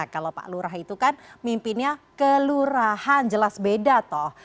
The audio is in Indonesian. kalau pak lurah itu kan mimpinnya kelurahan jelas beda toh